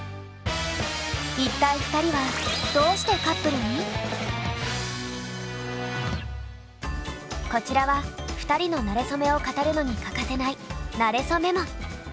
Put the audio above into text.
一体２人はこちらは２人のなれそめを語るのに欠かせない「なれそメモ」。